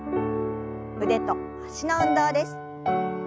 腕と脚の運動です。